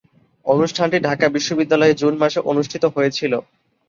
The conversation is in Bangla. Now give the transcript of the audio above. অনুষ্ঠানটি ঢাকা বিশ্ববিদ্যালয়ে জুন মাসে অনুষ্ঠিত হয়েছিলো।